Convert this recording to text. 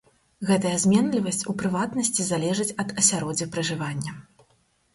Гэтая зменлівасць у прыватнасці залежыць ад асяроддзя пражывання.